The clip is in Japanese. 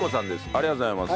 ありがとうございます。